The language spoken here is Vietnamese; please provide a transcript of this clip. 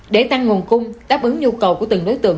để tăng nguồn cung đáp ứng nhu cầu của từng đối tượng